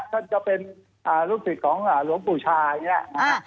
ก็จะเป็นลูกศิษย์ของหลวงปู่ชายนึงแหละ